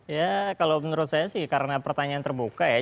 ya kalau menurut saya sih karena pertanyaan terbuka ya